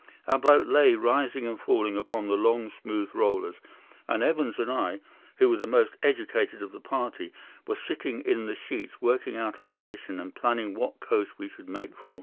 Our boat lay, rising and falling, upon the long, smooth rollers, and Evans and I, who were the most educated of the party, were sitting in the sheets working out our position and planning what coast we should make for.